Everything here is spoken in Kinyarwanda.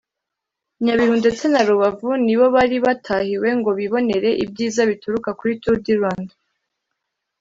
Nyabihu ndetse na Rubavu nibo bari batahiwe ngo bibonere ibyiza bituruka kuri Tour du Rwanda